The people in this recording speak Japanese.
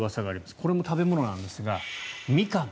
これも食べ物なんですがミカン。